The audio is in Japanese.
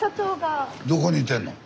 どこにいてんの？